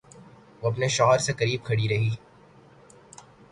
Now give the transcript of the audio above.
وہ اپنے شوہر سے قریب کھڑی رہی